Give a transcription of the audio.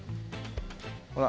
ほら。